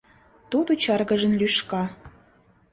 Тудо чаргыжын лӱшка: